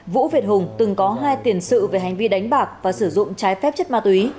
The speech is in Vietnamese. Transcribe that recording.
vũ việt hùng từng có hai tiền sự về hành vi đánh bạc và sử dụng trái phép chất ma túy